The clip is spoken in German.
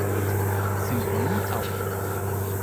Sinfonie auf.